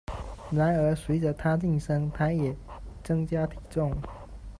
然而，随着他晋升，他也增加体重。